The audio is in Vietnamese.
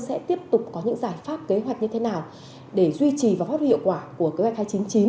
sẽ tiếp tục có những giải pháp kế hoạch như thế nào để duy trì và phát huy hiệu quả của kế hoạch hai trăm chín mươi chín